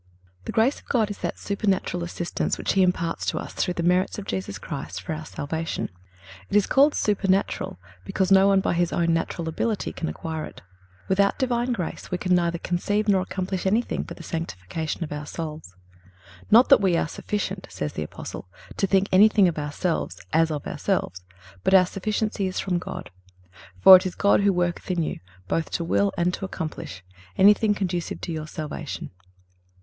The grace of God is that supernatural assistance which He imparts to us, through the merits of Jesus Christ, for our salvation. It is called supernatural, because no one by his own natural ability can acquire it. Without Divine grace we can neither conceive nor accomplish anything for the sanctification of our souls. "Not that we are sufficient," says the Apostle, "to think anything of ourselves, as of ourselves; but our sufficiency is from God."(325) "For it is God who worketh in you, both to will and to accomplish"(326) anything conducive to your salvation.